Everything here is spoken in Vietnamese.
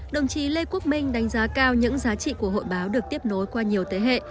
đồng chí lê quốc minh đánh giá cao những giá trị của hội báo được tiếp nối qua nhiều thế hệ